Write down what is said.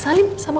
salim sama om baik